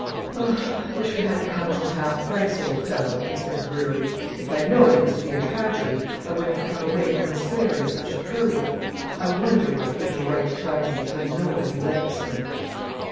"I wish we hadn't come till half price, old fellow," he said drearily. "If I'd known it was to be a tragedy, I wouldn't have come away from the Square in such a hurry. I wonder why people write tragedies, when nobody likes them."